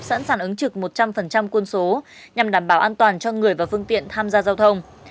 sẵn sàng ứng trực một trăm linh quân số nhằm đảm bảo an toàn cho người và phương tiện tham gia giao thông